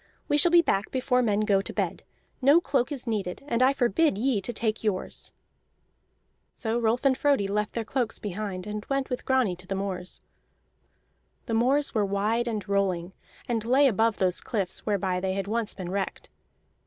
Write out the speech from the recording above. We shall be back before men go to bed. No cloak is needed, and I forbid ye to take yours." So Rolf and Frodi left their cloaks behind, and went with Grani to the moors. The moors were wide and rolling, and lay above those cliffs whereby they had once been wrecked.